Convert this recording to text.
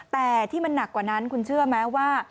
แต่ที่มันหนักกว่านั้นคุณเชื่อไหมว่า